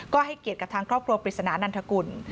ก็ให้เกียรติกับทางครอบครัวปริศนานันทกุล